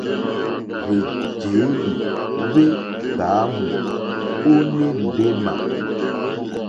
Hwèjèelì hwe gbàamù o ene ndema.